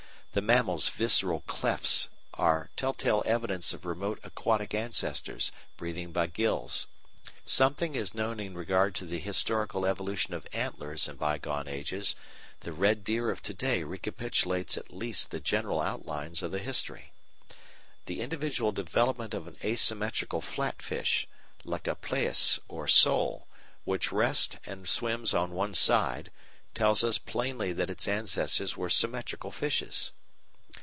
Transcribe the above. The mammal's visceral clefts are tell tale evidence of remote aquatic ancestors, breathing by gills. Something is known in regard to the historical evolution of antlers in bygone ages; the Red Deer of to day recapitulates at least the general outlines of the history. The individual development of an asymmetrical flat fish, like a plaice or sole, which rests and swims on one side, tells us plainly that its ancestors were symmetrical fishes.